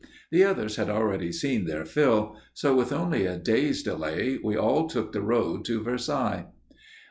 The others had already seen their fill, so, with only a day's delay, we all took the road to Versailles.